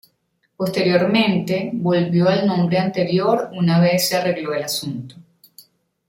Posteriormente, volvió al nombre anterior una vez se arregló el asunto.